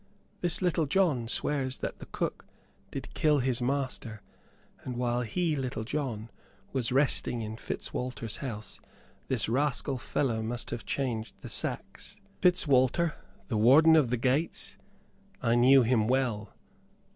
"This Little John swears that the cook did kill his master; and whilst he, Little John, was resting in Fitzwalter's house this rascal fellow must have changed the sacks." "Fitzwalter, the warden of the gates? I knew him well.